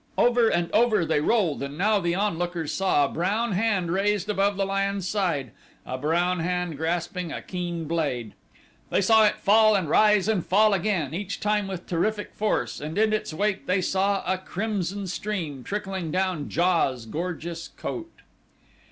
Over and over they rolled and now the onlookers saw a brown hand raised above the lion's side a brown hand grasping a keen blade. They saw it fall and rise and fall again each time with terrific force and in its wake they saw a crimson stream trickling down JA's gorgeous coat.